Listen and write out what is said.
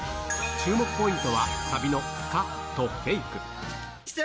注目ポイントはサビの「カ」とフェイク。